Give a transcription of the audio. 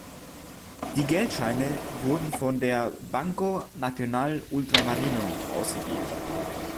Die Geldscheine wurden von der Banco Nacional Ultramarino ausgegeben.